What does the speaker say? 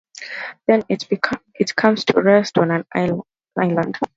Then it comes to rest on an island.